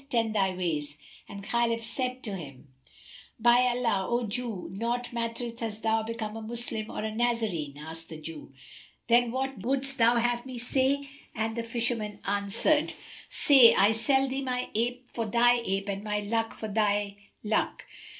Wend thy ways;" and Khalif said to him, "By Allah, O Jew, naught mattereth an thou become a Moslem or a Nazarene!" Asked the Jew, "Then what wouldst thou have me say?"; and the fisherman answered, "Say, I sell thee my ape for thy ape and my luck for thy luck."